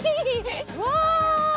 うわ！